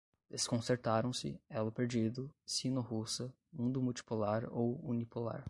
Desconcertaram, elo perdido, sino-russa, mundo multipolar ou unipolar